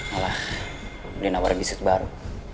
alah udah nabar bisnis baru